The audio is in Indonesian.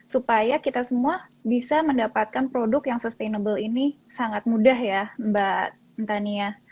supaya kita semua bisa mendapatkan produk yang sustainable ini sangat mudah ya mbak tania